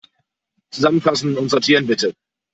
Zusammenfassen und sortieren, bitte.